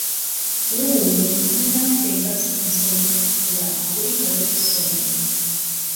Wuu munaffe nga tusanyuse nnyo okukulaba kulikayo ku ssomero!